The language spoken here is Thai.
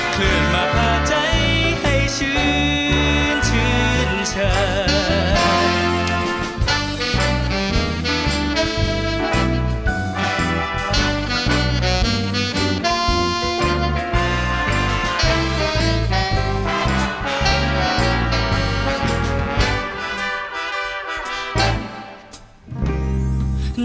เคลื่อนมาพาใจให้ชื่นชื่นเฉิน